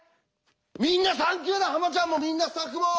みんなサンキューだハマちゃんもみんなスタッフも！